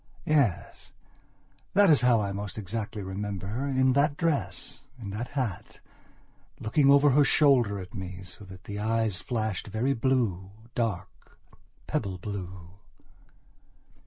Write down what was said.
Yes, that is how I most exactly remember her, in that dress, in that hat, looking over her shoulder at me so that the eyes flashed very bluedark pebble blue...